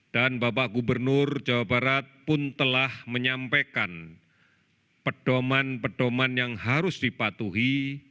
bapak gubernur jawa barat pun telah menyampaikan pedoman pedoman yang harus dipatuhi